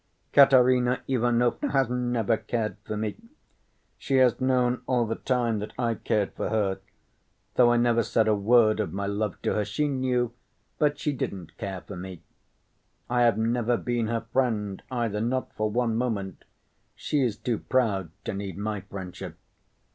"Katerina Ivanovna has never cared for me! She has known all the time that I cared for her—though I never said a word of my love to her—she knew, but she didn't care for me. I have never been her friend either, not for one moment; she is too proud to need my friendship.